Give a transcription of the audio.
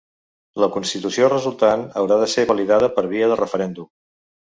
La constitució resultant haurà de ser validada per via de referèndum.